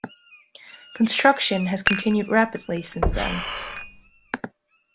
Construction has continued rapidly since then.